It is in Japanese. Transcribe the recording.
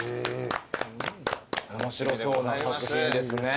・面白そうな作品ですね。